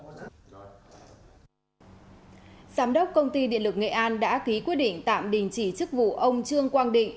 giám đốc công ty điện lực nghệ an đã ký quyết định tạm đình chỉ chức vụ ông trương quang định